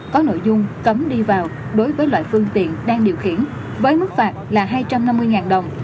có nội dung cấm đi vào đối với loại phương tiện đang điều khiển với mức phạt là hai trăm năm mươi đồng